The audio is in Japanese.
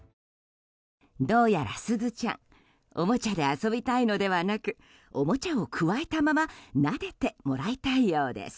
どうやら、すずちゃんおもちゃで遊びたいのではなくおもちゃを、くわえたままなでてもらいたいようです。